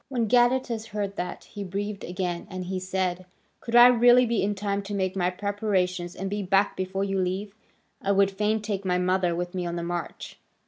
When Gadatas heard that, he breathed again, and he said: "Could I really be in time to make my preparations and be back before you leave? I would fain take my mother with me on the march."